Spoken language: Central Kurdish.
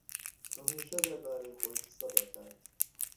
ھەمیشە دەربارەی خۆی قسە دەکات.